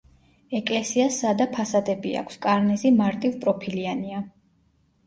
ეკლესიას სადა ფასადები აქვს, კარნიზი მარტივპროფილიანია.